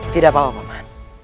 tidak apa apa maman